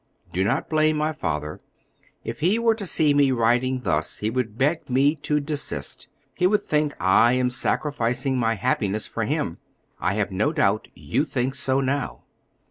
Do not blame my father; if he were to see me writing thus he would beg me to desist; he would think I am sacrificing my happiness for him. I have no doubt you think so now.